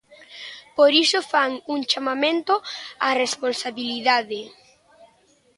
Por iso fan un chamamento á responsabilidade.